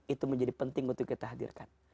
itu menjadi penting untuk kita hadirkan